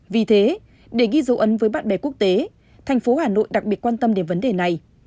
vì thế để ghi dấu ấn với bạn bè quốc tế thành phố hà nội đặc biệt quan tâm đến vấn đề này